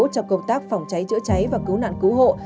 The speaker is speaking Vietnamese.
cho công tác phòng cháy chữa cháy và cứu nạn cứu hộ